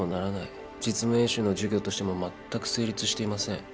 実務演習の授業としてもまったく成立していません。